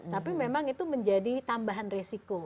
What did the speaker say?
tapi memang itu menjadi tambahan resiko